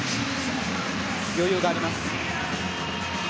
余裕があります。